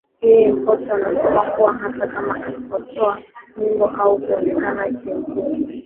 hii Mpoto anasema kuwa hata kama asipotoa nyimbo au kuonekana kimuziki bado